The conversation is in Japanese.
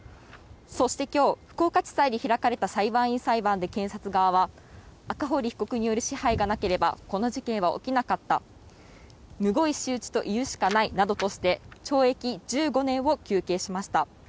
そして今日、福岡地裁で開かれた裁判員裁判で検察側は赤堀被告による支配がなければこの事件は起きなかったむごい仕打ちと言うしかないなどとして懲役１５年を求刑しました。